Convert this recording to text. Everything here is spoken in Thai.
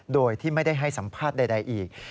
โดยที่ไม่ได้ให้สัมภาษณ์ใดอีก